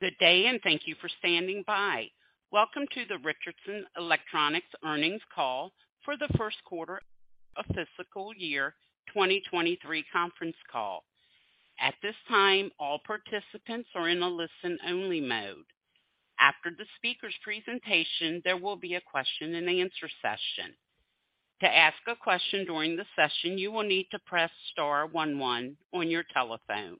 Good day, and thank you for standing by. Welcome to the Richardson Electronics earnings call for the first quarter of fiscal year 2023 conference call. At this time, all participants are in a listen-only mode. After the speaker's presentation, there will be a question and answer session. To ask a question during the session, you will need to press star one one on your telephone.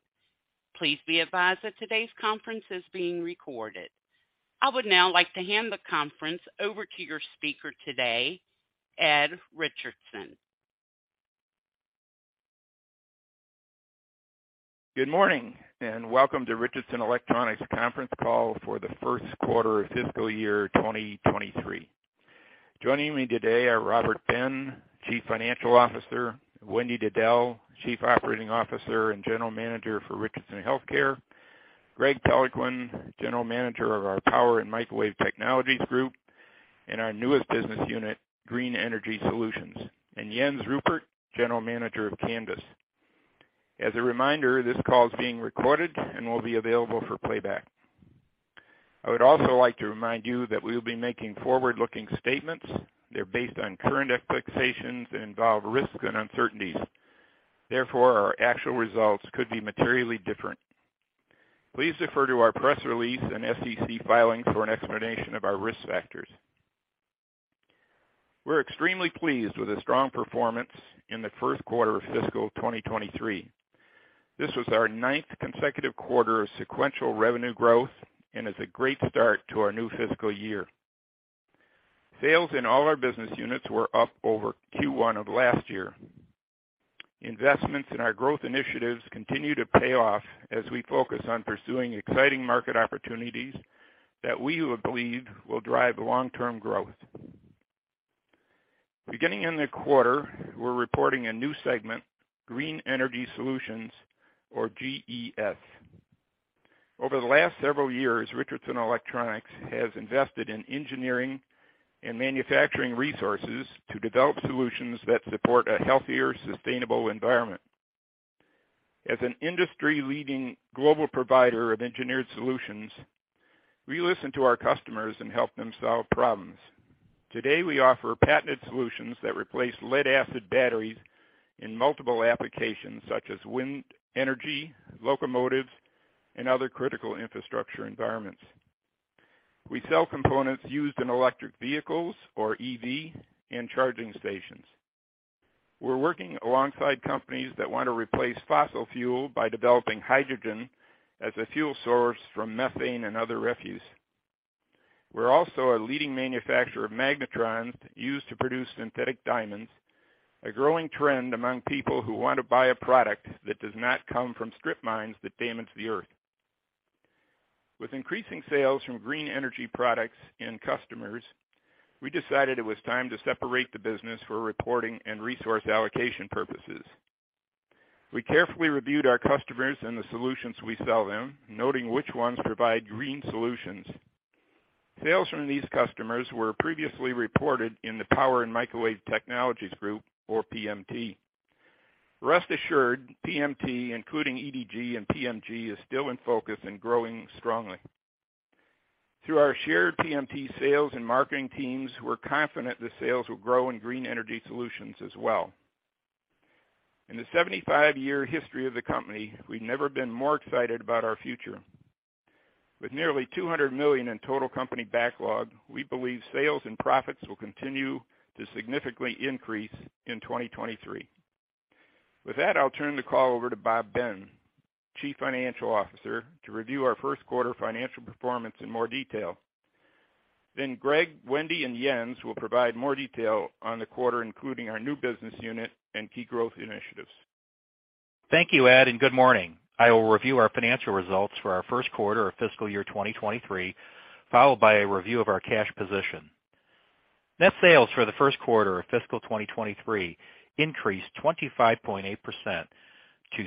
Please be advised that today's conference is being recorded. I would now like to hand the conference over to your speaker today, Ed Richardson. Good morning, and welcome to Richardson Electronics conference call for the first quarter of fiscal year 2023. Joining me today are Robert Ben, Chief Financial Officer, Wendy Diddell, Chief Operating Officer and General Manager for Richardson Healthcare, Greg Peloquin, General Manager of our Power and Microwave Technologies Group in our newest business unit, Green Energy Solutions, and Jens Ruppert, General Manager of Canvys. As a reminder, this call is being recorded and will be available for playback. I would also like to remind you that we will be making forward-looking statements. They're based on current expectations and involve risks and uncertainties. Therefore, our actual results could be materially different. Please refer to our press release and SEC filing for an explanation of our risk factors. We're extremely pleased with the strong performance in the first quarter of fiscal 2023. This was our ninth consecutive quarter of sequential revenue growth and is a great start to our new fiscal year. Sales in all our business units were up over Q1 of last year. Investments in our growth initiatives continue to pay off as we focus on pursuing exciting market opportunities that we believe will drive long-term growth. Beginning in the quarter, we're reporting a new segment, Green Energy Solutions or GES. Over the last several years, Richardson Electronics has invested in engineering and manufacturing resources to develop solutions that support a healthier, sustainable environment. As an industry-leading global provider of engineered solutions, we listen to our customers and help them solve problems. Today, we offer patented solutions that replace lead-acid batteries in multiple applications such as wind, energy, locomotives, and other critical infrastructure environments. We sell components used in electric vehicles or EV and charging stations. We're working alongside companies that want to replace fossil fuel by developing hydrogen as a fuel source from methane and other refuse. We're also a leading manufacturer of magnetrons used to produce synthetic diamonds, a growing trend among people who want to buy a product that does not come from strip mines that damage the Earth. With increasing sales from green energy products and customers, we decided it was time to separate the business for reporting and resource allocation purposes. We carefully reviewed our customers and the solutions we sell them, noting which ones provide green solutions. Sales from these customers were previously reported in the Power and Microwave Technologies Group, or PMT. Rest assured, PMT, including EDG and PMG, is still in focus and growing strongly. Through our shared PMT sales and marketing teams, we're confident the sales will grow in green energy solutions as well. In the 75-year history of the company, we've never been more excited about our future. With nearly $200 million in total company backlog, we believe sales and profits will continue to significantly increase in 2023. With that, I'll turn the call over to Bob Ben, Chief Financial Officer, to review our first quarter financial performance in more detail. Greg, Wendy, and Jens will provide more detail on the quarter, including our new business unit and key growth initiatives. Thank you, Ed, and good morning. I will review our financial results for our first quarter of fiscal year 2023, followed by a review of our cash position. Net sales for the first quarter of fiscal 2023 increased 25.8% to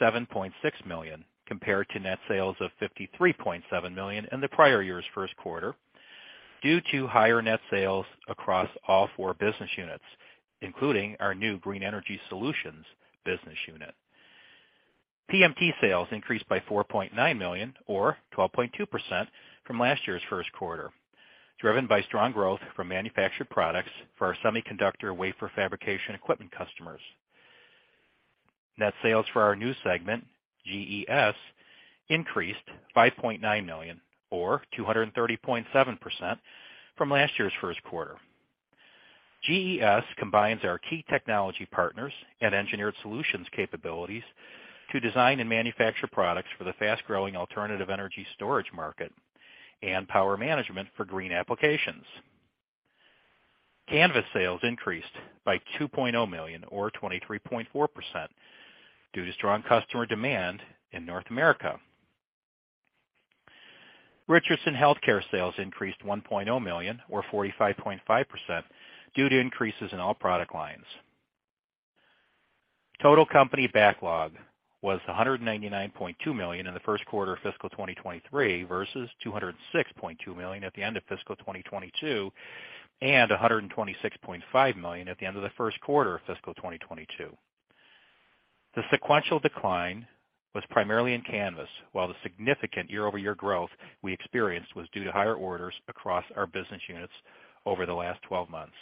$67.6 million, compared to net sales of $53.7 million in the prior year's first quarter, due to higher net sales across all four business units, including our new Green Energy Solutions business unit. PMT sales increased by $4.9 million or 12.2% from last year's first quarter, driven by strong growth from manufactured products for our semiconductor wafer fabrication equipment customers. Net sales for our new segment, GES, increased $5.9 million or 230.7% from last year's first quarter. GES combines our key technology partners and engineered solutions capabilities to design and manufacture products for the fast-growing alternative energy storage market and power management for green applications. Canvys sales increased by $2.0 million or 23.4% due to strong customer demand in North America. Richardson Healthcare sales increased $1.0 million or 45.5% due to increases in all product lines. Total company backlog was $199.2 million in the first quarter of fiscal 2023 versus $206.2 million at the end of fiscal 2022 and $126.5 million at the end of the first quarter of fiscal 2022. The sequential decline was primarily in Canvys, while the significant year-over-year growth we experienced was due to higher orders across our business units over the last 12 months.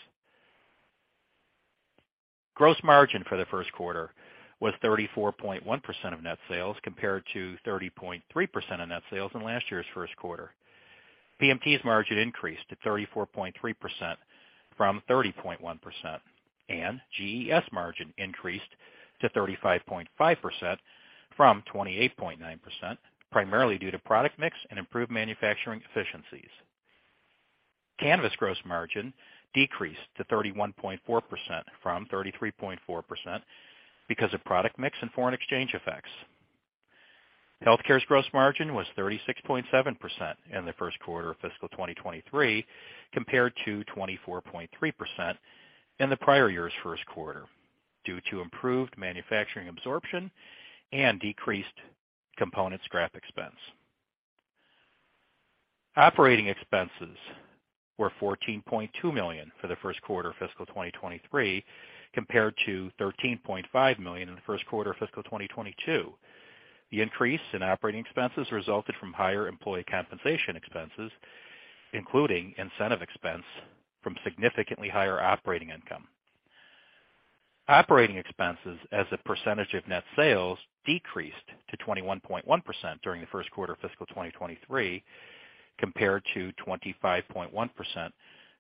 Gross margin for the first quarter was 34.1% of net sales compared to 30.3% of net sales in last year's first quarter. PMT's margin increased to 34.3% from 30.1%, and GES margin increased to 35.5% from 28.9%, primarily due to product mix and improved manufacturing efficiencies. Canvys gross margin decreased to 31.4% from 33.4% because of product mix and foreign exchange effects. Healthcare's gross margin was 36.7% in the first quarter of fiscal 2023 compared to 24.3% in the prior year's first quarter, due to improved manufacturing absorption and decreased component scrap expense. Operating expenses were $14.2 million for the first quarter of fiscal 2023 compared to $13.5 million in the first quarter of fiscal 2022. The increase in operating expenses resulted from higher employee compensation expenses, including incentive expense from significantly higher operating income. Operating expenses as a percentage of net sales decreased to 21.1% during the first quarter of fiscal 2023 compared to 25.1%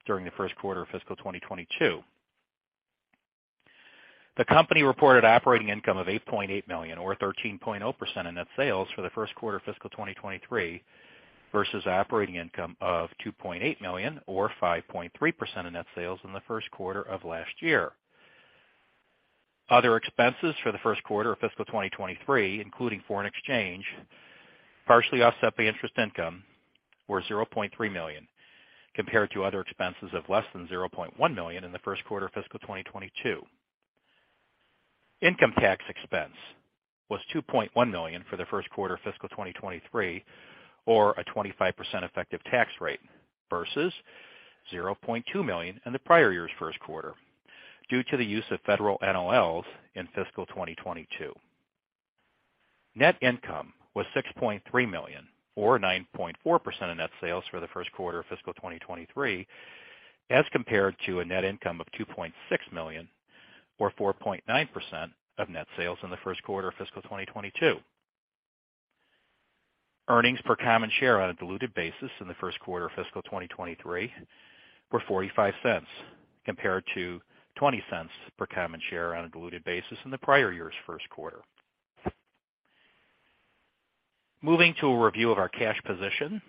during the first quarter of fiscal 2022. The company reported operating income of $8.8 million or 13.0% of net sales for the first quarter of fiscal 2023 versus operating income of $2.8 million or 5.3% of net sales in the first quarter of last year. Other expenses for the first quarter of fiscal 2023, including foreign exchange, partially offset by interest income, were $0.3 million compared to other expenses of less than $0.1 million in the first quarter of fiscal 2022. Income tax expense was $2.1 million for the first quarter of fiscal 2023, or a 25% effective tax rate, versus $0.2 million in the prior year's first quarter due to the use of federal NOLs in fiscal 2022. Net income was $6.3 million, or 9.4% of net sales for the first quarter of fiscal 2023, as compared to a net income of $2.6 million, or 4.9% of net sales in the first quarter of fiscal 2022. Earnings per common share on a diluted basis in the first quarter of fiscal 2023 were $0.45 compared to $0.20 per common share on a diluted basis in the prior year's first quarter. Moving to a review of our cash position.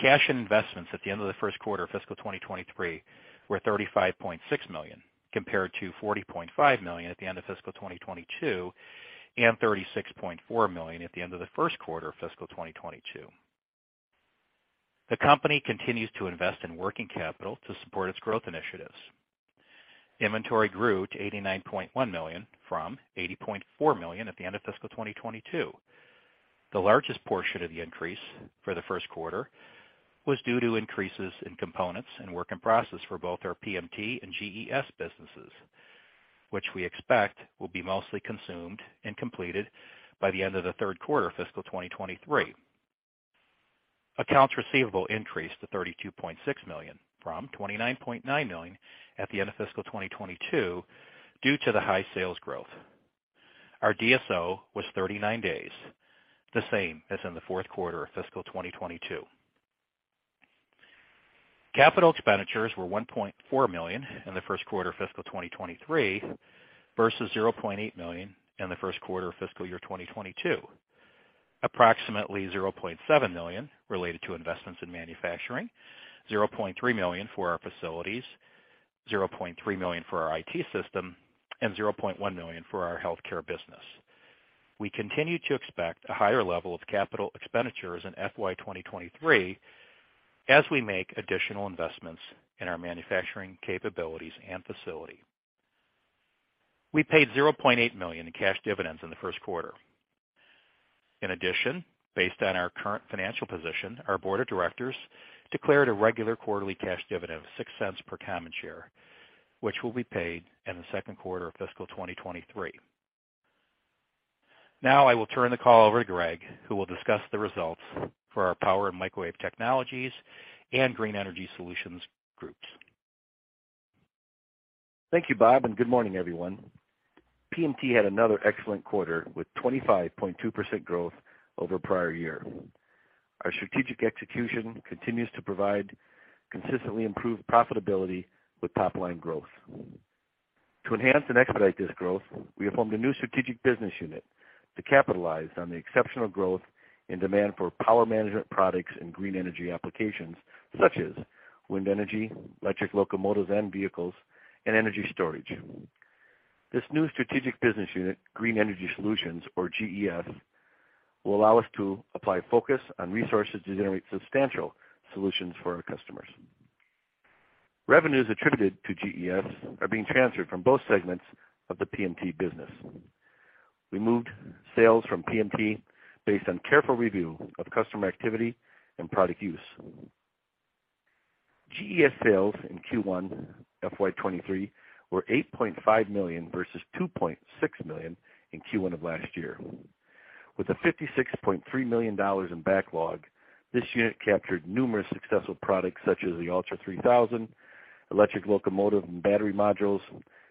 Cash and investments at the end of the first quarter of fiscal 2023 were $35.6 million, compared to $40.5 million at the end of fiscal 2022 and $36.4 million at the end of the first quarter of fiscal 2022. The company continues to invest in working capital to support its growth initiatives. Inventory grew to $89.1 million from $80.4 million at the end of fiscal 2022. The largest portion of the increase for the first quarter was due to increases in components and work in process for both our PMT and GES businesses, which we expect will be mostly consumed and completed by the end of the third quarter of fiscal 2023. Accounts receivable increased to $32.6 million from $29.9 million at the end of fiscal 2022 due to the high sales growth. Our DSO was 39 days, the same as in the fourth quarter of fiscal 2022. Capital expenditures were $1.4 million in the first quarter of fiscal 2023 versus $0.8 million in the first quarter of fiscal year 2022. Approximately $0.7 million related to investments in manufacturing, $0.3 million for our facilities, $0.3 million for our IT system, and $0.1 million for our healthcare business. We continue to expect a higher level of capital expenditures in FY 2023 as we make additional investments in our manufacturing capabilities and facility. We paid $0.8 million in cash dividends in the first quarter. In addition, based on our current financial position, our board of directors declared a regular quarterly cash dividend of $0.06 per common share, which will be paid in the second quarter of fiscal 2023. Now, I will turn the call over to Greg, who will discuss the results for our Power and Microwave Technologies and Green Energy Solutions groups. Thank you, Bob, and good morning, everyone. PMT had another excellent quarter with 25.2% growth over prior year. Our strategic execution continues to provide consistently improved profitability with top line growth. To enhance and expedite this growth, we have formed a new strategic business unit to capitalize on the exceptional growth and demand for power management products and green energy applications such as wind energy, electric locomotives and vehicles, and energy storage. This new strategic business unit, Green Energy Solutions, or GES, will allow us to apply focus on resources to generate substantial solutions for our customers. Revenues attributed to GES are being transferred from both segments of the PMT business. We moved sales from PMT based on careful review of customer activity and product use. GES sales in Q1 FY 2023 were $8.5 million versus $2.6 million in Q1 of last year. With a $56.3 million backlog, this unit captured numerous successful products, such as the ULTRA3000, electric locomotive and battery modules,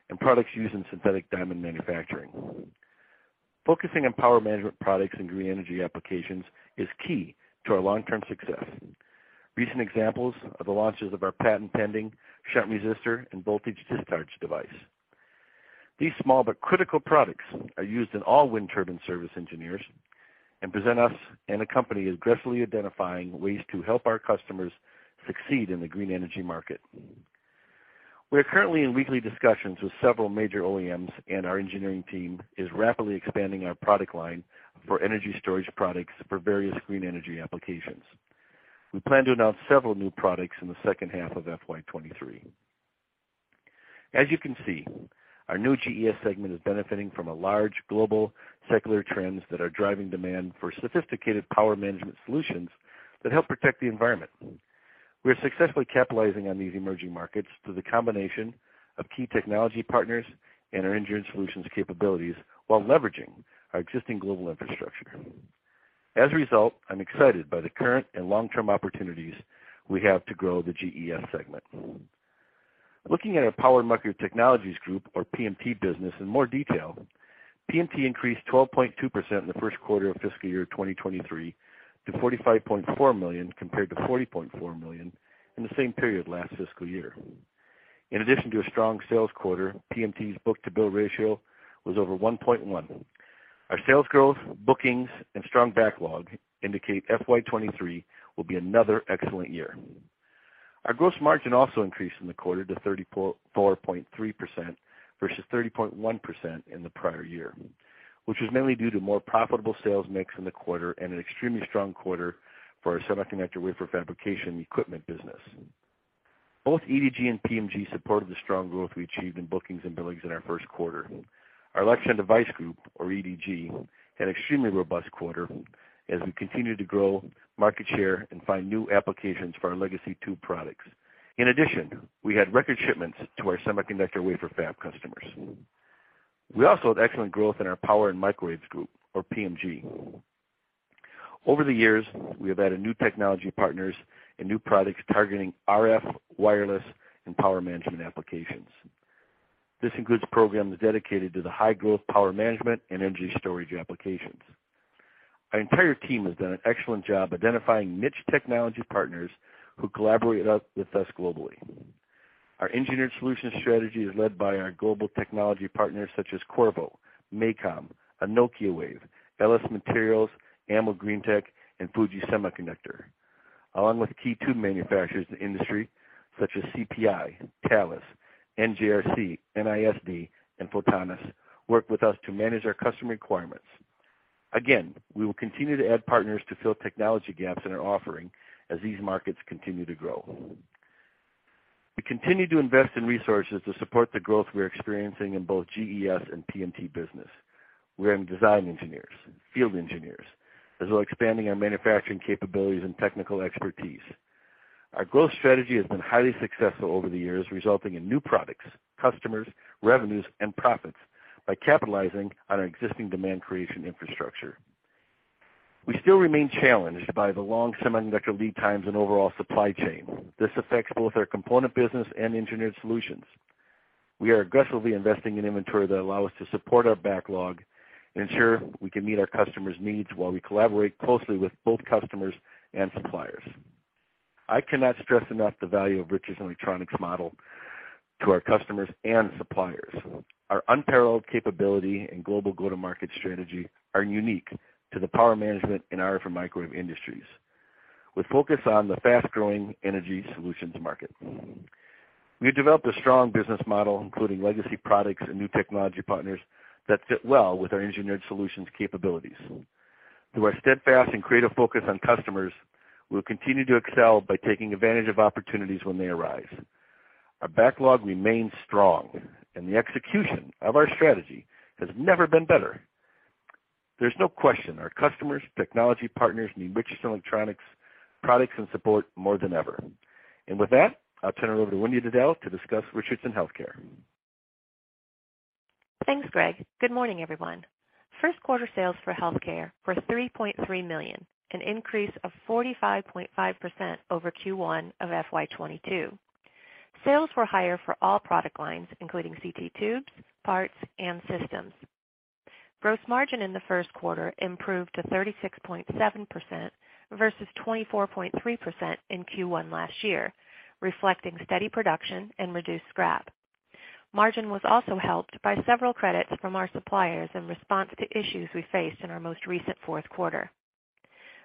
and products used in synthetic diamond manufacturing. Focusing on power management products and green energy applications is key to our long-term success. Recent examples are the launches of our patent-pending shunt resistor and voltage discharge device. These small but critical products are used by all wind turbine service engineers and positions us and the company to aggressively identify ways to help our customers succeed in the green energy market. We are currently in weekly discussions with several major OEMs, and our engineering team is rapidly expanding our product line for energy storage products for various green energy applications. We plan to announce several new products in the second half of FY 2023. As you can see, our new GES segment is benefiting from a large global secular trends that are driving demand for sophisticated power management solutions that help protect the environment. We are successfully capitalizing on these emerging markets through the combination of key technology partners and our engineered solutions capabilities while leveraging our existing global infrastructure. As a result, I'm excited by the current and long-term opportunities we have to grow the GES segment. Looking at our Power and Microwave Technologies Group, or PMT business, in more detail. PMT increased 12.2% in the first quarter of fiscal year 2023 to $45.4 million, compared to $40.4 million in the same period last fiscal year. In addition to a strong sales quarter, PMT's book-to-bill ratio was over 1.1. Our sales growth, bookings, and strong backlog indicate FY 2023 will be another excellent year. Our gross margin also increased in the quarter to 34.3% versus 30.1% in the prior year, which was mainly due to more profitable sales mix in the quarter and an extremely strong quarter for our semiconductor wafer fabrication equipment business. Both EDG and PMG supported the strong growth we achieved in bookings and billings in our first quarter. Our Electron Device Group, or EDG, had extremely robust quarter as we continue to grow market share and find new applications for our legacy tube products. In addition, we had record shipments to our semiconductor wafer fab customers. We also had excellent growth in our Power & Microwave Group, or PMG. Over the years, we have added new technology partners and new products targeting RF, wireless, and power management applications. This includes programs dedicated to the high-growth power management and energy storage applications. Our entire team has done an excellent job identifying niche technology partners who collaborate up with us globally. Our engineered solutions strategy is led by our global technology partners, such as Qorvo, MACOM, Anokiwave, LS Mtron, ECM Greentech, and Fuji Electric. Along with key tube manufacturers in the industry, such as CPI, Thales, NJRC, NISD, and Photonis, work with us to manage our customer requirements. We will continue to add partners to fill technology gaps in our offering as these markets continue to grow. We continue to invest in resources to support the growth we're experiencing in both GES and PMT business. We're adding design engineers, field engineers, as well as expanding our manufacturing capabilities and technical expertise. Our growth strategy has been highly successful over the years, resulting in new products, customers, revenues, and profits by capitalizing on our existing demand creation infrastructure. We still remain challenged by the long semiconductor lead times and overall supply chain. This affects both our component business and engineered solutions. We are aggressively investing in inventory that allow us to support our backlog and ensure we can meet our customers' needs while we collaborate closely with both customers and suppliers. I cannot stress enough the value of Richardson Electronics model to our customers and suppliers. Our unparalleled capability and global go-to-market strategy are unique to the power management in RF and microwave industries. We focus on the fast-growing energy solutions market. We have developed a strong business model, including legacy products and new technology partners that fit well with our engineered solutions capabilities. Through our steadfast and creative focus on customers, we'll continue to excel by taking advantage of opportunities when they arise. Our backlog remains strong, and the execution of our strategy has never been better. There's no question our customers, technology partners need Richardson Electronics products and support more than ever. With that, I'll turn it over to Wendy Diddell to discuss Richardson Healthcare. Thanks, Greg. Good morning, everyone. First quarter sales for Healthcare were $3.3 million, an increase of 45.5% over Q1 of FY 2022. Sales were higher for all product lines, including CT tubes, parts, and systems. Gross margin in the first quarter improved to 36.7% versus 24.3% in Q1 last year, reflecting steady production and reduced scrap. Margin was also helped by several credits from our suppliers in response to issues we faced in our most recent fourth quarter.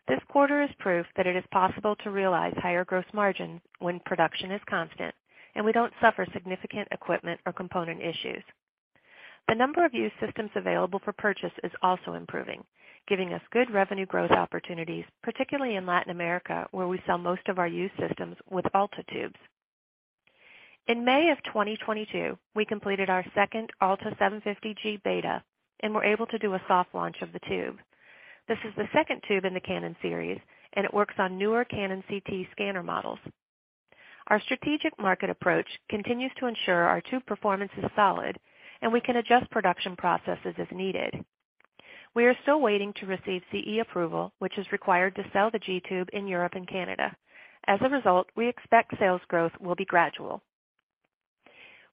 This quarter is proof that it is possible to realize higher gross margins when production is constant and we don't suffer significant equipment or component issues. The number of used systems available for purchase is also improving, giving us good revenue growth opportunities, particularly in Latin America, where we sell most of our used systems with ALTA tubes. In May of 2022, we completed our second ALTA 750G beta and were able to do a soft launch of the tube. This is the second tube in the Canon series, and it works on newer Canon CT scanner models. Our strategic market approach continues to ensure our tube performance is solid, and we can adjust production processes if needed. We are still waiting to receive CE approval, which is required to sell the G-tube in Europe and Canada. As a result, we expect sales growth will be gradual.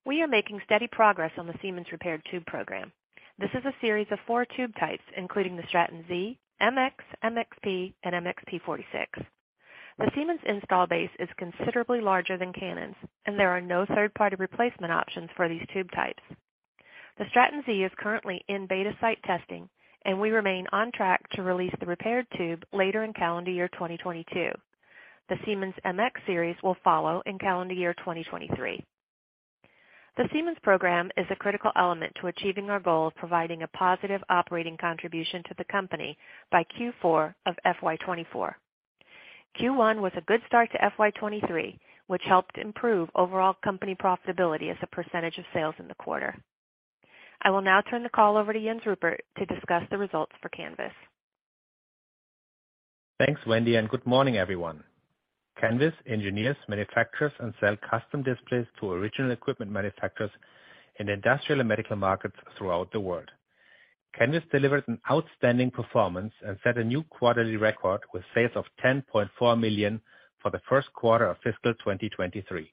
We are making steady progress on the Siemens repaired tube program. This is a series of four tube types, including the Straton Z, MX, MXP, and MXP-46. The Siemens install base is considerably larger than Canon's, and there are no third-party replacement options for these tube types. The Straton Z is currently in beta site testing, and we remain on track to release the repaired tube later in calendar year 2022. The Siemens MX series will follow in calendar year 2023. The Siemens program is a critical element to achieving our goal of providing a positive operating contribution to the company by Q4 of FY 2024. Q1 was a good start to FY 2023, which helped improve overall company profitability as a percentage of sales in the quarter. I will now turn the call over to Jens Ruppert to discuss the results for Canvas. Thanks, Wendy, and good morning, everyone. Canvys engineers, manufactures and sells custom displays to original equipment manufacturers in the industrial and medical markets throughout the world. Canvys delivered an outstanding performance and set a new quarterly record with sales of $10.4 million for the first quarter of fiscal 2023.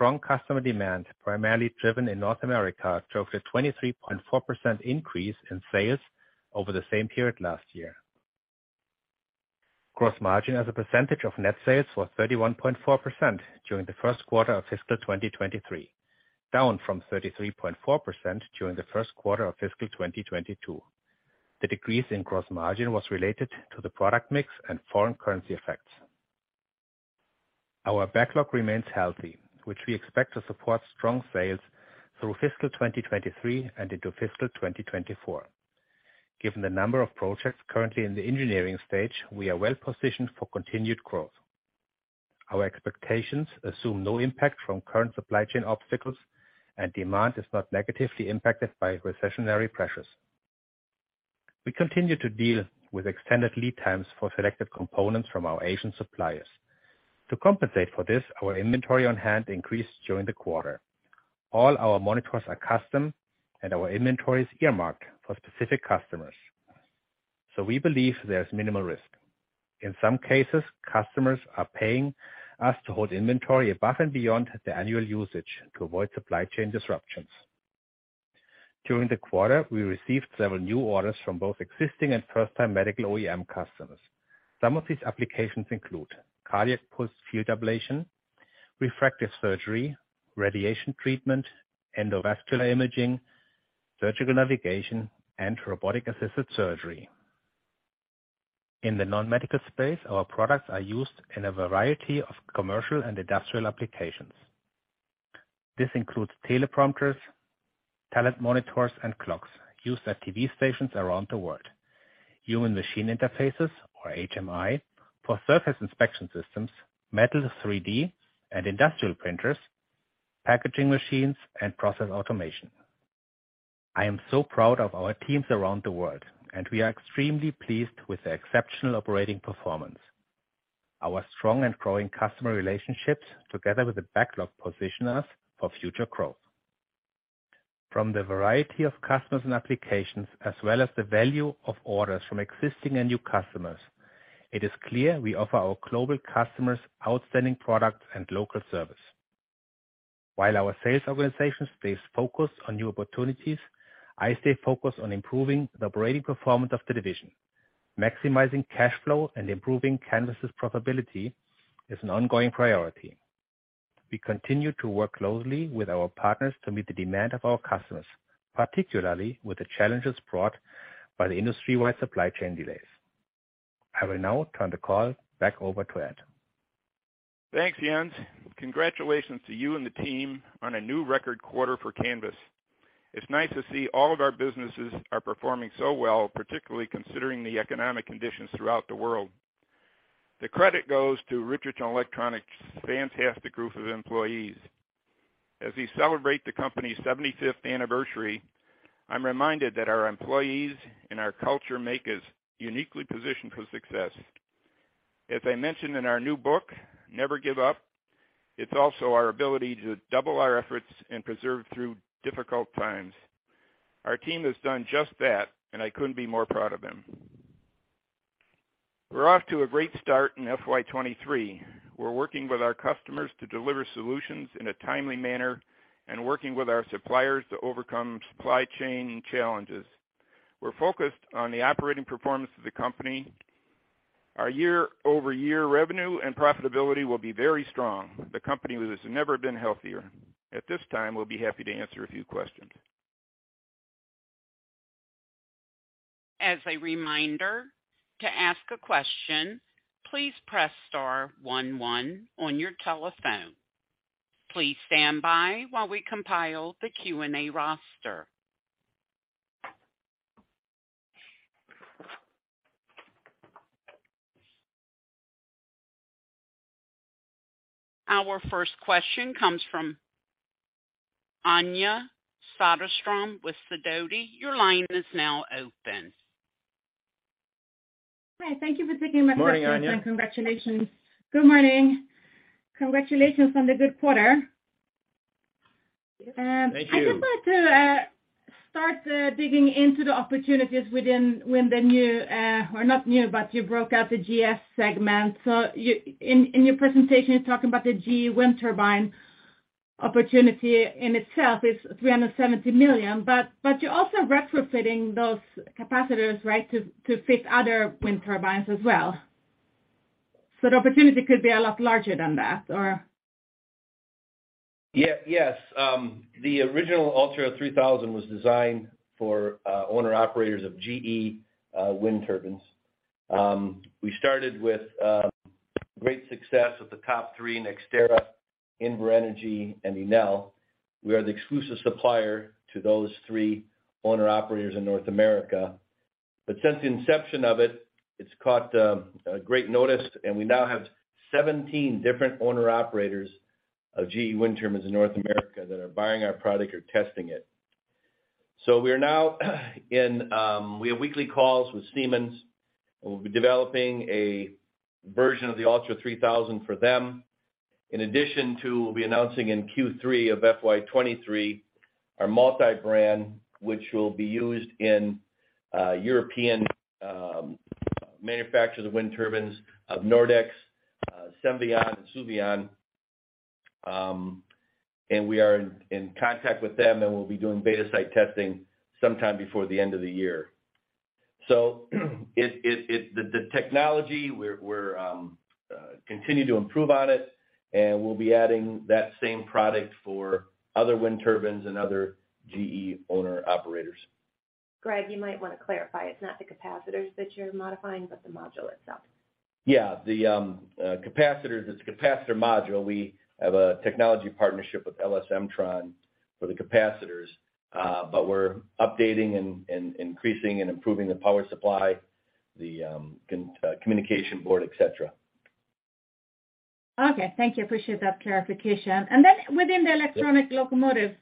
Strong customer demand, primarily driven in North America, drove a 23.4% increase in sales over the same period last year. Gross margin as a percentage of net sales was 31.4% during the first quarter of fiscal 2023, down from 33.4% during the first quarter of fiscal 2022. The decrease in gross margin was related to the product mix and foreign currency effects. Our backlog remains healthy, which we expect to support strong sales through fiscal 2023 and into fiscal 2024. Given the number of projects currently in the engineering stage, we are well positioned for continued growth. Our expectations assume no impact from current supply chain obstacles and demand is not negatively impacted by recessionary pressures. We continue to deal with extended lead times for selected components from our Asian suppliers. To compensate for this, our inventory on hand increased during the quarter. All our monitors are custom and our inventory is earmarked for specific customers, so we believe there is minimal risk. In some cases, customers are paying us to hold inventory above and beyond their annual usage to avoid supply chain disruptions. During the quarter, we received several new orders from both existing and first-time medical OEM customers. Some of these applications include cardiac pulse field ablation, refractive surgery, radiation treatment, endovascular imaging, surgical navigation, and robotic-assisted surgery. In the non-medical space, our products are used in a variety of commercial and industrial applications. This includes teleprompters, talent monitors, and clocks used at TV stations around the world. Human machine interfaces, or HMI, for surface inspection systems, metal 3D and industrial printers, packaging machines, and process automation. I am so proud of our teams around the world, and we are extremely pleased with their exceptional operating performance. Our strong and growing customer relationships, together with the backlog, position us for future growth. From the variety of customers and applications as well as the value of orders from existing and new customers, it is clear we offer our global customers outstanding products and local service. While our sales organization stays focused on new opportunities, I stay focused on improving the operating performance of the division. Maximizing cash flow and improving Canvys's profitability is an ongoing priority. We continue to work closely with our partners to meet the demand of our customers, particularly with the challenges brought by the industry-wide supply chain delays. I will now turn the call back over to Ed. Thanks, Jens. Congratulations to you and the team on a new record quarter for Canvys. It's nice to see all of our businesses are performing so well, particularly considering the economic conditions throughout the world. The credit goes to Richardson Electronics' fantastic group of employees. As we celebrate the company's seventy-fifth anniversary, I'm reminded that our employees and our culture make us uniquely positioned for success. As I mentioned in our new book, Never Give Up, it's also our ability to double our efforts and persevere through difficult times. Our team has done just that, and I couldn't be more proud of them. We're off to a great start in FY 2023. We're working with our customers to deliver solutions in a timely manner and working with our suppliers to overcome supply chain challenges. We're focused on the operating performance of the company. Our year-over-year revenue and profitability will be very strong. The company has never been healthier. At this time, we'll be happy to answer a few questions. As a reminder, to ask a question, please press star one one on your telephone. Please stand by while we compile the Q&A roster. Our first question comes from Anja Soderstrom with Sidoti. Your line is now open. Hi, thank you for taking my questions. Morning, Anja. Congratulations. Good morning. Congratulations on the good quarter. Thank you. I just wanted to start digging into the opportunities within the new, or not new, but you broke out the GES segment. In your presentation, you're talking about the GE wind turbine opportunity in itself is $370 million. But you're also retrofitting those capacitors, right, to fit other wind turbines as well. The opportunity could be a lot larger than that, or? Yes. The original ULTRA3000 was designed for owner-operators of GE wind turbines. We started with great success with the top three, NextEra, Invenergy and Enel. We are the exclusive supplier to those three owner-operators in North America. Since the inception of it's caught great notice, and we now have 17 different owner-operators of GE wind turbines in North America that are buying our product or testing it. We have weekly calls with Siemens, and we'll be developing a version of the ULTRA3000 for them. In addition, we'll be announcing in Q3 of FY 2023, our multi-brand, which will be used in European manufacturers of wind turbines of Nordex, Siemens Gamesa and Suzlon. We are in contact with them, and we'll be doing beta site testing sometime before the end of the year. The technology, we're continue to improve on it, and we'll be adding that same product for other wind turbines and other GE owner-operators. Greg, you might wanna clarify. It's not the capacitors that you're modifying, but the module itself. Yeah. The capacitor, this capacitor module, we have a technology partnership with LS Mtron for the capacitors, but we're updating and increasing and improving the power supply, the communication board, et cetera. Okay. Thank you. Appreciate that clarification. Then within the electric locomotives,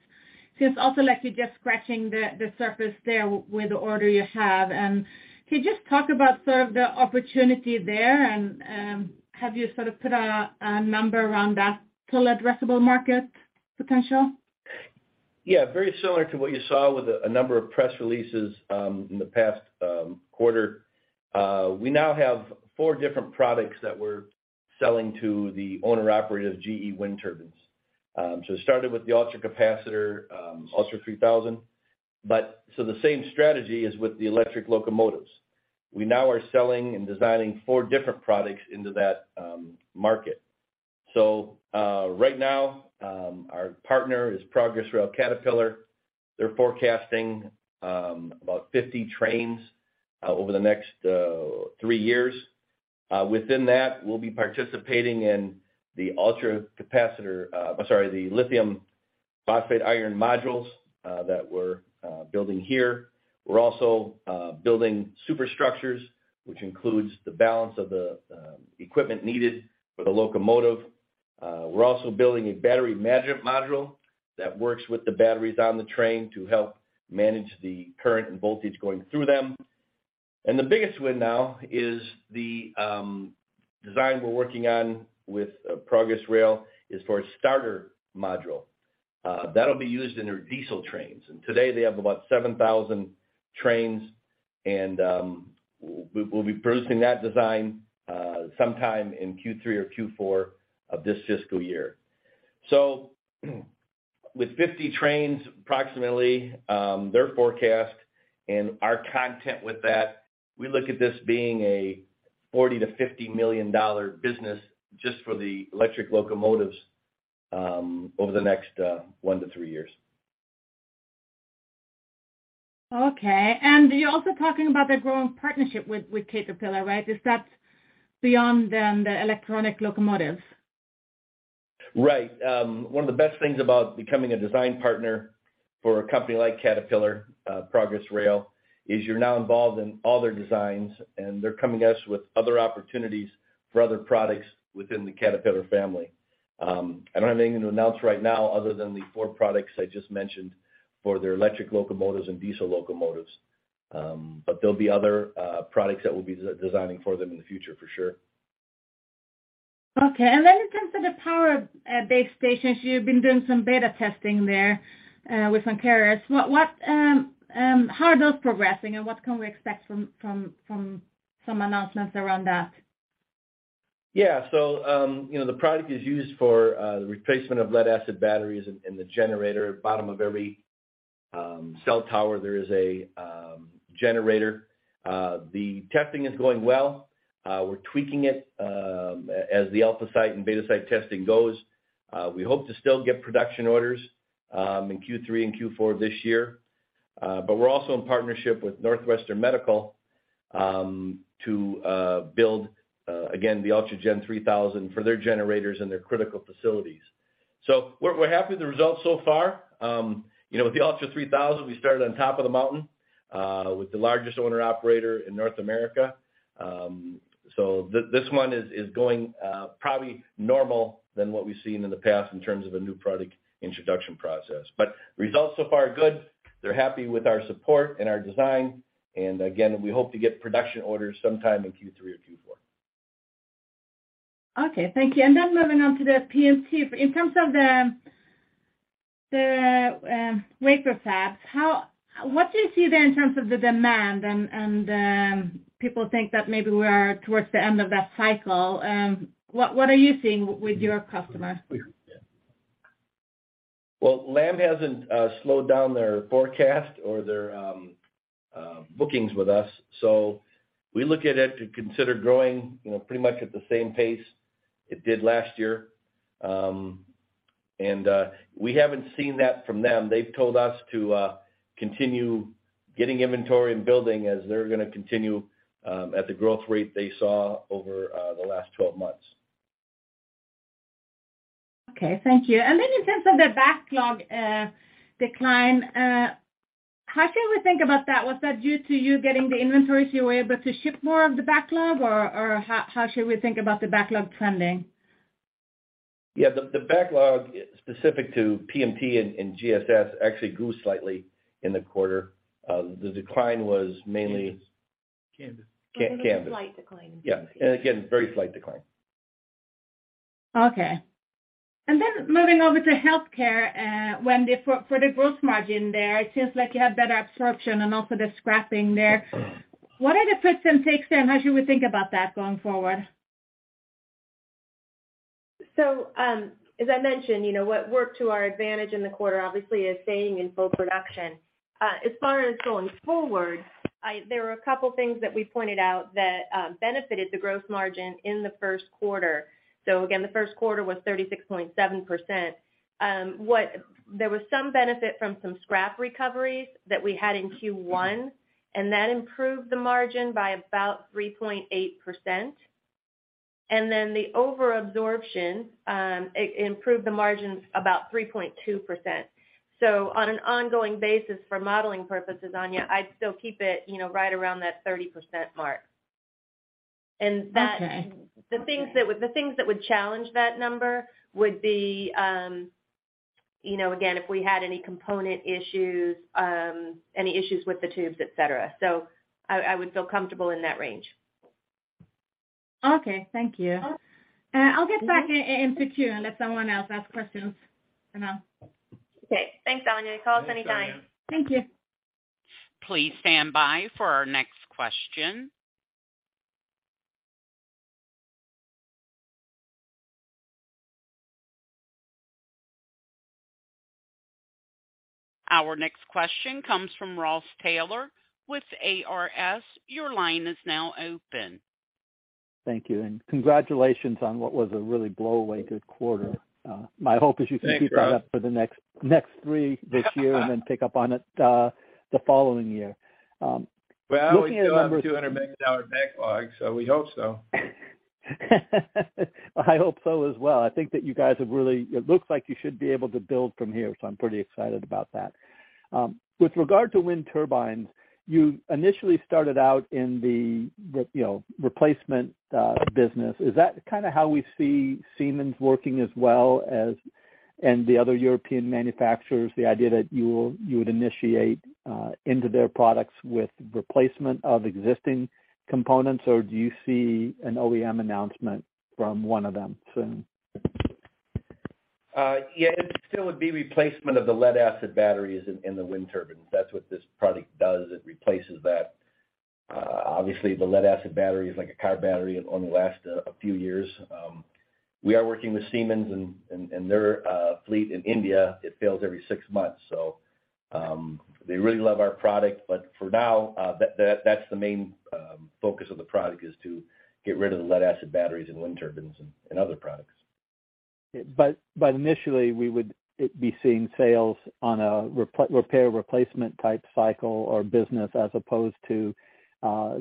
seems also like you're just scratching the surface there with the order you have. Can you just talk about sort of the opportunity there and have you sort of put a number around that total addressable market potential? Yeah. Very similar to what you saw with a number of press releases in the past quarter. We now have four different products that we're selling to the owner-operator of GE wind turbines. It started with the ultracapacitor, ULTRA3000. The same strategy is with the electric locomotives. We now are selling and designing four different products into that market. Right now, our partner is Progress Rail, a Caterpillar Company. They're forecasting about 50 trains over the next three years. Within that, we'll be participating in the ultracapacitor, sorry, the lithium iron phosphate modules that we're building here. We're also building superstructures, which includes the balance of the equipment needed for the locomotive. We're also building a battery management module that works with the batteries on the train to help manage the current and voltage going through them. The biggest win now is the design we're working on with Progress Rail for a starter module that'll be used in their diesel trains. Today they have about 7,000 trains and we'll be producing that design sometime in Q3 or Q4 of this fiscal year. With 50 trains approximately, their forecast and our content with that, we look at this being a $40 million-$50 million business just for the electric locomotives over the next one to three years. Okay. You're also talking about the growing partnership with Caterpillar, right? Is that beyond the electronic locomotives? Right. One of the best things about becoming a design partner for a company like Caterpillar, Progress Rail, is you're now involved in all their designs, and they're coming to us with other opportunities for other products within the Caterpillar family. I don't have anything to announce right now other than the four products I just mentioned for their electric locomotives and diesel locomotives. There'll be other products that we'll be de-designing for them in the future, for sure. Okay. Then in terms of the power base stations, you've been doing some beta testing there with some carriers. What, how are those progressing, and what can we expect from some announcements around that? Yeah. You know, the product is used for replacement of lead-acid batteries in the generator. Bottom of every cell tower there is a generator. The testing is going well. We're tweaking it as the alpha site and beta site testing goes. We hope to still get production orders in Q3 and Q4 this year. We're also in partnership with Northwestern Medical to build again the ULTRA3000 for their generators and their critical facilities. We're happy with the results so far. You know, with the ULTRA3000, we started on top of the mountain with the largest owner/operator in North America. This one is going probably normal than what we've seen in the past in terms of a new product introduction process. Results so far are good. They're happy with our support and our design. Again, we hope to get production orders sometime in Q3 or Q4. Okay, thank you. Moving on to the PMT. In terms of the wafer fab, what do you see there in terms of the demand and people think that maybe we are towards the end of that cycle. What are you seeing with your customers? Well, Lam hasn't slowed down their forecast or their bookings with us. We look at it to consider growing, you know, pretty much at the same pace it did last year. We haven't seen that from them. They've told us to continue getting inventory and building as they're gonna continue at the growth rate they saw over the last 12 months. Okay, thank you. In terms of the backlog decline, how can we think about that? Was that due to you getting the inventory, so you were able to ship more of the backlog? Or how should we think about the backlog trending? Yeah, the backlog specific to PMT and GES actually grew slightly in the quarter. The decline was mainly. Canvys. A little slight decline in Canvys. Yeah. Again, very slight decline. Okay. Moving over to healthcare, for the growth margin there, it seems like you have better absorption and also the scrapping there. What are the puts and takes there, and how should we think about that going forward? As I mentioned, you know, what worked to our advantage in the quarter obviously is staying in full production. As far as going forward, there were a couple things that we pointed out that benefited the gross margin in the first quarter. Again, the first quarter was 36.7%. There was some benefit from some scrap recoveries that we had in Q1, and that improved the margin by about 3.8%. Then the overabsorption, it improved the margins about 3.2%. On an ongoing basis for modeling purposes, Anja, I'd still keep it, you know, right around that 30% mark. Okay. The things that would challenge that number would be, you know, again, if we had any component issues, any issues with the tubes, et cetera. I would feel comfortable in that range. Okay, thank you. Mm-hmm. I'll get back in to queue and let someone else ask questions for now. Okay. Thanks, Anja. Call us any time. Thanks, Anja. Thank you. Please stand by for our next question. Our next question comes from Ross Taylor with ARS. Your line is now open. Thank you, and congratulations on what was a really blow away good quarter. My hope is you can- Thanks, Ross. Keep that up for the next three this year, and then pick up on it, the following year. Looking at number- Well, we still have a $200 million backlog, so we hope so. I hope so as well. I think that you guys have really. It looks like you should be able to build from here, so I'm pretty excited about that. With regard to wind turbines, you initially started out in the replacement business. Is that kinda how we see Siemens working as well as and the other European manufacturers? The idea that you would initiate into their products with replacement of existing components, or do you see an OEM announcement from one of them soon? It still would be replacement of the lead-acid batteries in the wind turbines. That's what this product does. It replaces that. Obviously the lead-acid battery is like a car battery and only lasts a few years. We are working with Siemens and their fleet in India. It fails every six months, so they really love our product. For now, that's the main focus of the product is to get rid of the lead-acid batteries in wind turbines and other products. Initially, we would be seeing sales on a repair replacement type cycle or business as opposed to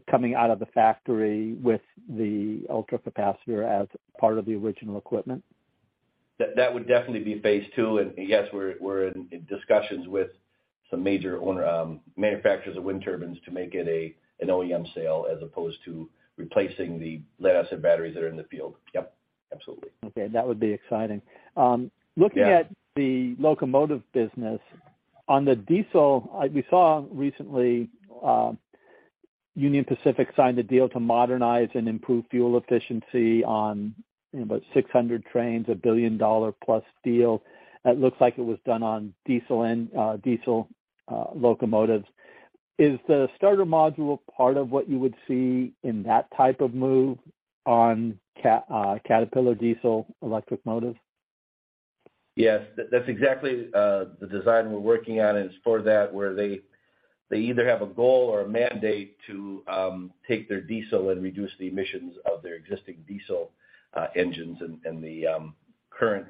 coming out of the factory with the ultracapacitor as part of the original equipment. That would definitely be Phase 2. Yes, we're in discussions with some major owners, manufacturers of wind turbines to make it an OEM sale as opposed to replacing the lead-acid batteries that are in the field. Yep, absolutely. Okay, that would be exciting. Yeah. Looking at the locomotive business. On the diesel, we saw recently Union Pacific signed a deal to modernize and improve fuel efficiency on about 600 trains, a $1 billion+ deal. It looks like it was done on diesel locomotives. Is the starter module part of what you would see in that type of move on Caterpillar diesel-electric locomotives? Yes. That's exactly the design we're working on is for that, where they either have a goal or a mandate to take their diesel and reduce the emissions of their existing diesel engines. The current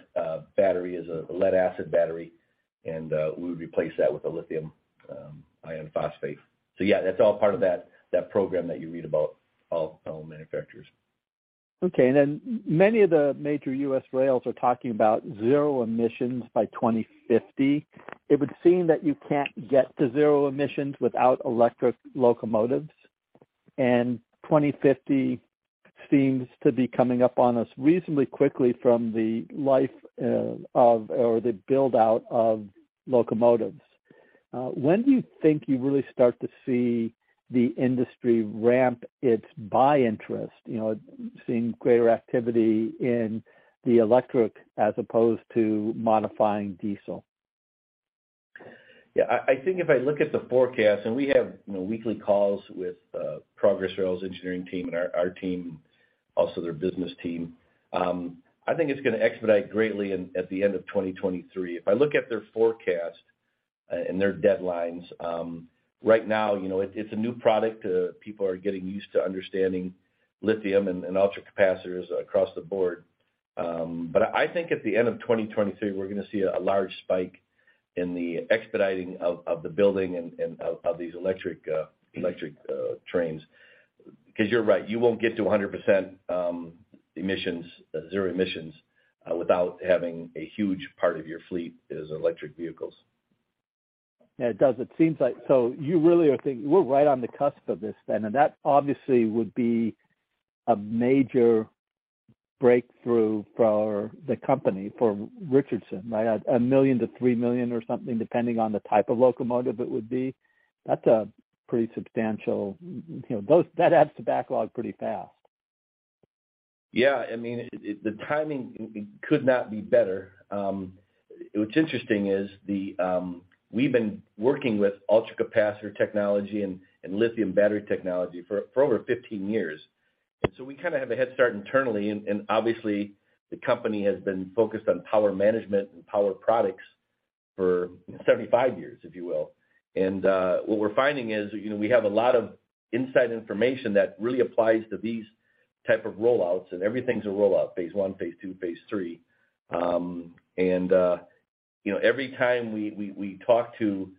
battery is a lead-acid battery. We would replace that with a lithium iron phosphate. Yeah, that's all part of that program that you read about all manufacturers. Okay. Many of the major U.S. rails are talking about zero emissions by 2050. It would seem that you can't get to zero emissions without electric locomotives, and 2050 seems to be coming up on us reasonably quickly from the life of or the build-out of locomotives. When do you think you really start to see the industry ramp its buy interest, you know, seeing greater activity in the electric as opposed to modifying diesel? Yeah. I think if I look at the forecast, and we have, you know, weekly calls with Progress Rail's engineering team and our team, also their business team, I think it's gonna expedite greatly at the end of 2023. If I look at their forecast and their deadlines, right now, you know, it's a new product. People are getting used to understanding lithium and ultracapacitors across the board. But I think at the end of 2023, we're gonna see a large spike in the expediting of the building of these electric trains. 'Cause you're right, you won't get to 100% zero emissions without having a huge part of your fleet as electric vehicles. Yeah, it does. It seems like we're right on the cusp of this then, and that obviously would be a major breakthrough for the company, for Richardson, right? $1 million-$3 million or something, depending on the type of locomotive it would be. That's a pretty substantial. You know, those that adds to backlog pretty fast. Yeah. I mean, the timing could not be better. What's interesting is we've been working with ultracapacitor technology and lithium battery technology for over 15 years. We kinda have a head start internally and obviously, the company has been focused on power management and power products for 75 years, if you will. What we're finding is, you know, we have a lot of inside information that really applies to these type of rollouts, and everything's a rollout, Phase 1, Phase 2, Phase 3. You know, every time we talk to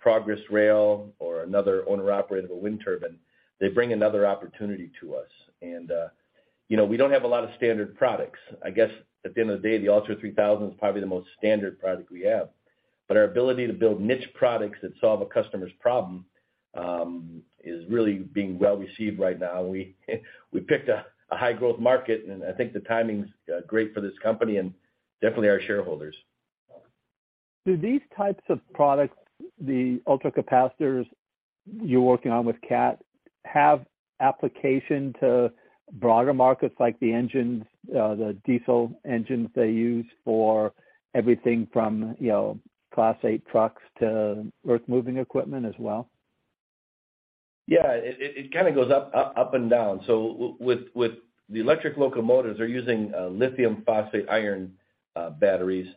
Progress Rail or another owner operator of a wind turbine, they bring another opportunity to us. You know, we don't have a lot of standard products. I guess at the end of the day, the ULTRA3000 is probably the most standard product we have. Our ability to build niche products that solve a customer's problem is really being well-received right now. We picked a high growth market, and I think the timing's great for this company and definitely our shareholders. Do these types of products, the ultracapacitors you're working on with Cat, have application to broader markets like the engines, the diesel engines they use for everything from, you know, Class 8 trucks to earthmoving equipment as well? Yeah. It kinda goes up and down. With the electric locomotives, they're using lithium iron phosphate batteries.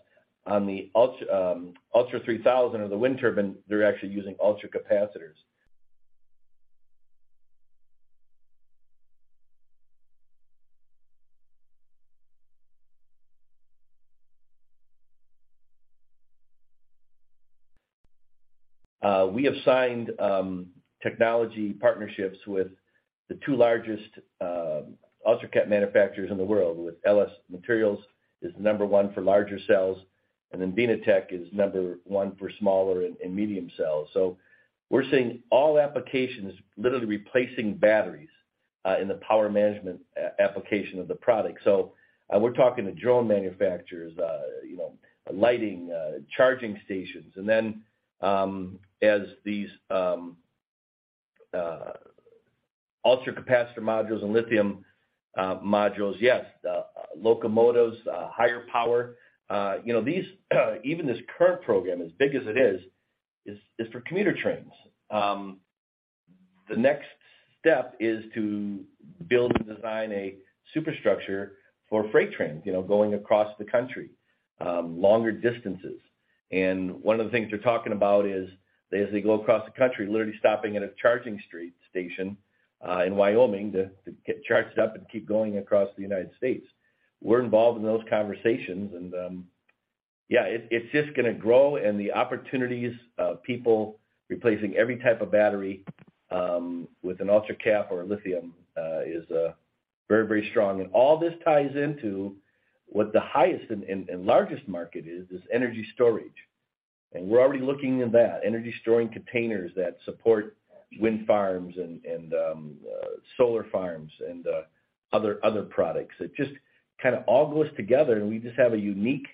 On the ULTRA3000 or the wind turbine, they're actually using ultracapacitors. We have signed technology partnerships with the two largest ultracap manufacturers in the world, with LS Mtron is number one for larger cells, and then VINATech is number one for smaller and medium cells. We're seeing all applications literally replacing batteries in the power management application of the product. We're talking to drone manufacturers, you know, lighting, charging stations. As these ultracapacitor modules and lithium modules. Yes, the locomotives higher power, you know, even this current program, as big as it is for commuter trains. The next step is to build and design a superstructure for freight trains, you know, going across the country, longer distances. One of the things they're talking about is as they go across the country, literally stopping at a charging station in Wyoming to get charged up and keep going across the United States. We're involved in those conversations and, yeah, it's just gonna grow and the opportunities of people replacing every type of battery with an ultracap or a lithium is very, very strong. All this ties into what the highest and largest market is energy storage. We're already looking into that, energy-storing containers that support wind farms and solar farms and other products. It just kinda all goes together and we just have a unique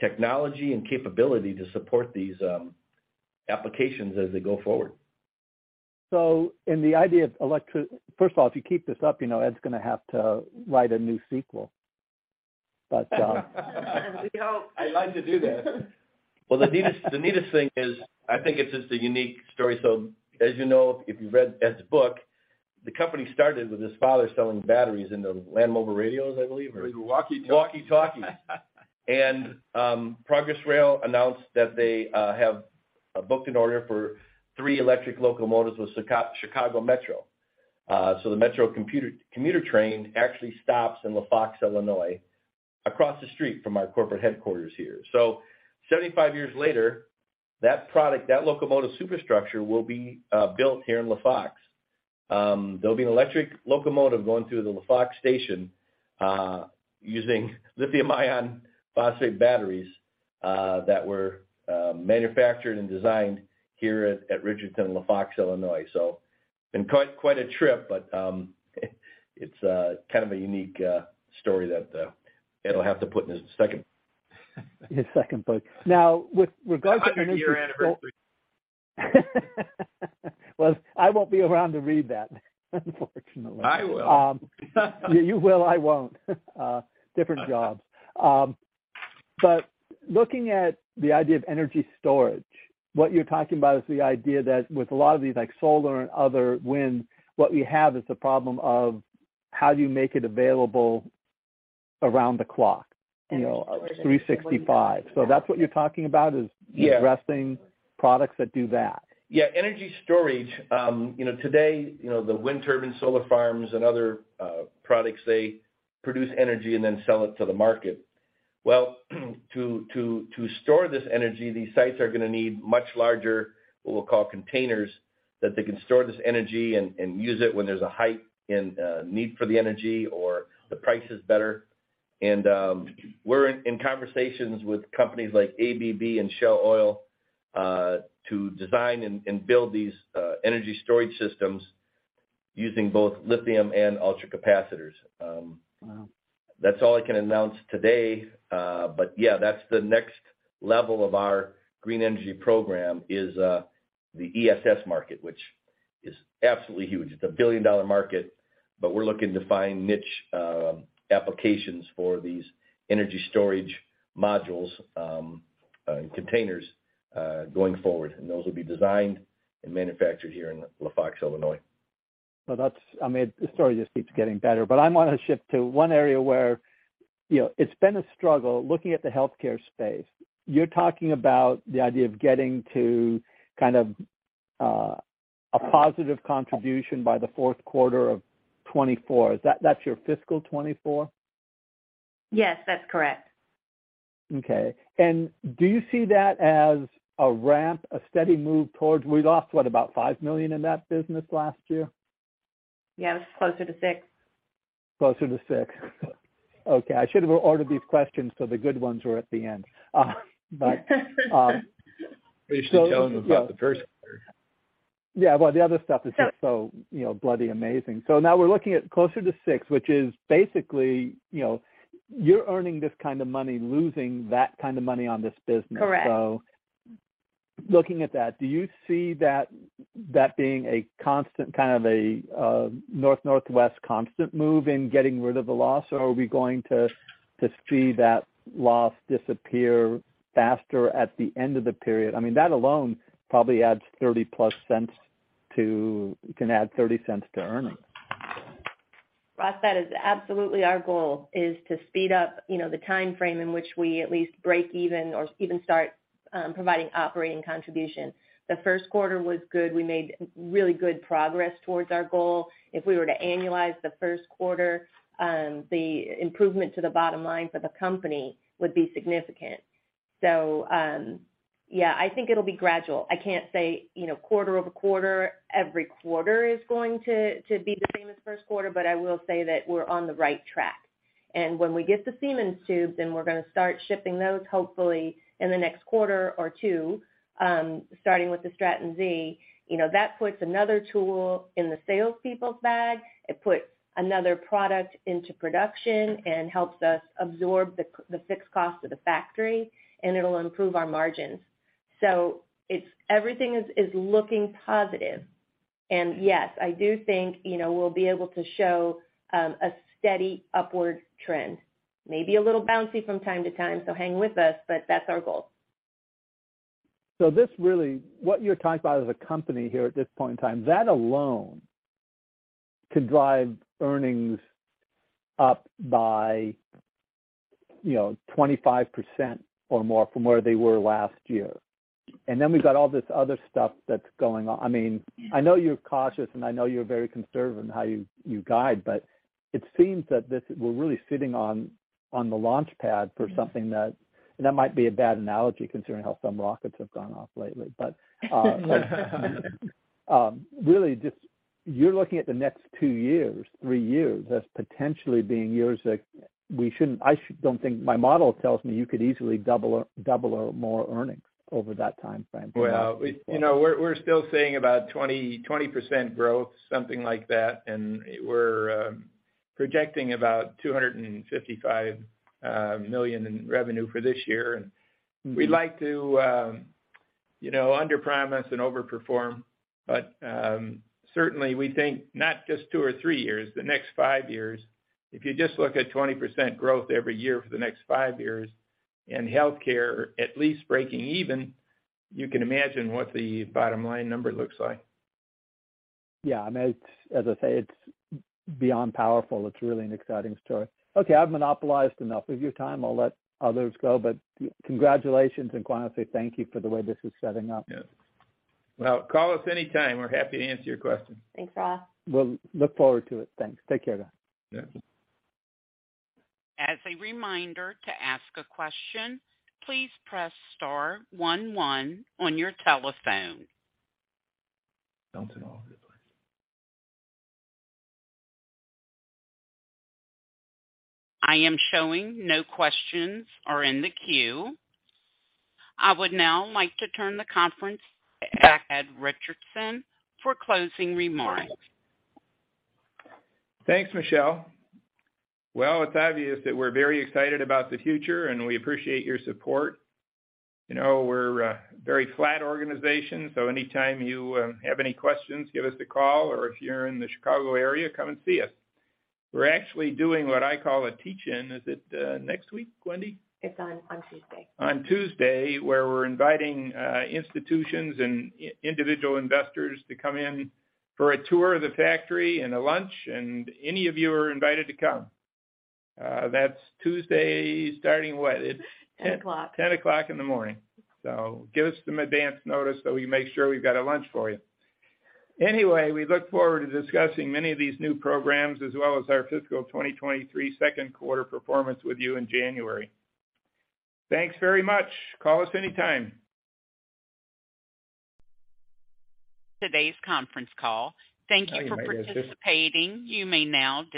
technology and capability to support these applications as they go forward. First of all, if you keep this up, you know, Ed's gonna have to write a new sequel. We hope. I'd like to do that. Well, the neatest thing is I think it's just a unique story. As you know, if you've read Ed's book, the company started with his father selling batteries in the land mobile radios, I believe. It was walkie-talkies. Progress Rail announced that they have booked an order for three electric locomotives with Metra. The Metra commuter train actually stops in La Fox, Illinois, across the street from our corporate headquarters here. 75 years later, that product, that locomotive superstructure will be built here in La Fox. There'll be an electric locomotive going through the La Fox station, using lithium iron phosphate batteries, that were manufactured and designed here at Richardson in La Fox, Illinois. It's been quite a trip, but it's kind of a unique story that Ed will have to put in his second. His second book. Now, with regards to energy. 100-year anniversary. Well, I won't be around to read that, unfortunately. I will. You will, I won't. Different jobs. Looking at the idea of energy storage, what you're talking about is the idea that with a lot of these like solar and other wind, what we have is the problem of how do you make it available around the clock, you know, 365. That's what you're talking about is- Yeah. ...addressing products that do that? Yeah. Energy storage, you know, today, you know, the wind turbine, solar farms and other products, they produce energy and then sell it to the market. Well, to store this energy, these sites are gonna need much larger, what we'll call containers, that they can store this energy and use it when there's a hike in need for the energy or the price is better. We're in conversations with companies like ABB and Shell Oil to design and build these energy storage systems using both lithium and ultracapacitors. Wow. That's all I can announce today. Yeah, that's the next level of our green energy program is the ESS market, which is absolutely huge. It's a billion-dollar market, but we're looking to find niche applications for these energy storage modules and containers going forward. Those will be designed and manufactured here in La Fox, Illinois. Well, I mean, the story just keeps getting better. I wanna shift to one area where, you know, it's been a struggle looking at the healthcare space. You're talking about the idea of getting to kind of a positive contribution by the fourth quarter of 2024. Is that your fiscal 2024? Yes, that's correct. Okay. Do you see that as a ramp, a steady move towards. We lost, what, about $5 million in that business last year? Yeah, it was closer to six. Closer to six. Okay. I should've ordered these questions, so the good ones were at the end. We should tell them about the first quarter. Yeah. Well, the other stuff is just so, you know, bloody amazing. Now, we're looking at closer to six, which is basically, you know, you're earning this kind of money, losing that kind of money on this business. Correct. Looking at that, do you see that being a constant kind of a northwest constant move in getting rid of the loss, or are we going to see that loss disappear faster at the end of the period? I mean, that alone probably adds $0.30+ to earnings. It can add $0.30 to earnings. Ross, that is absolutely our goal, is to speed up, you know, the timeframe in which we at least break even or even start providing operating contribution. The first quarter was good. We made really good progress towards our goal. If we were to annualize the first quarter, the improvement to the bottom line for the company would be significant. So, yeah, I think it'll be gradual. I can't say, you know, quarter-over-quarter, every quarter is going to be the same as first quarter, but I will say that we're on the right track. When we get the Siemens tubes, then we're gonna start shipping those hopefully in the next quarter or two, starting with the Straton Z. You know, that puts another tool in the salespeople's bag. It puts another product into production and helps us absorb the fixed cost of the factory, and it'll improve our margins. Everything is looking positive. Yes, I do think, you know, we'll be able to show a steady upward trend. Maybe a little bouncy from time to time, so hang with us, but that's our goal. This really, what you're talking about as a company here at this point in time, that alone could drive earnings up by, you know, 25% or more from where they were last year. Then we've got all this other stuff that's going on. I mean, I know you're cautious, and I know you're very conservative in how you guide, but it seems that this, we're really sitting on the launchpad for something that that might be a bad analogy considering how some rockets have gone off lately. Really just, you're looking at the next two years, three years, as potentially being years that we don't think. My model tells me you could easily double or more earnings over that timeframe. You know, we're still saying about 20% growth, something like that. We're projecting about $255 million in revenue for this year. We like to, you know, underpromise and overperform. Certainly we think not just two or three years, the next five years. If you just look at 20% growth every year for the next five years, and healthcare at least breaking even, you can imagine what the bottom line number looks like. Yeah. I mean, it's, as I say, it's beyond powerful. It's really an exciting story. Okay, I've monopolized enough of your time. I'll let others go, but congratulations and quite honestly, thank you for the way this is setting up. Yes. Well, call us anytime. We're happy to answer your questions. Thanks, Ross. Will look forward to it. Thanks. Take care, guys. Yeah. As a reminder, to ask a question, please press star one one on your telephone. I am showing no questions are in the queue. I would now like to turn the conference back to Ed Richardson for closing remarks. Thanks, Michelle. Well, it's obvious that we're very excited about the future, and we appreciate your support. You know, we're a very flat organization, so anytime you have any questions, give us a call, or if you're in the Chicago area, come and see us. We're actually doing what I call a teach-in. Is it next week, Wendy? It's on Tuesday. On Tuesday, we're inviting institutions and individual investors to come in for a tour of the factory and a lunch, and any of you are invited to come. That's Tuesday starting, what? 10:00 A.M. 10:00 A.M. Give us some advance notice, so we make sure we've got a lunch for you. Anyway, we look forward to discussing many of these new programs as well as our fiscal 2023 second quarter performance with you in January. Thanks very much. Call us anytime. Today's conference call. Thank you for participating. You may now disconnect.